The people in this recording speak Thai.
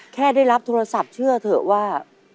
แค่ได้รับโทรศัพท์เชื่อเถอะว่า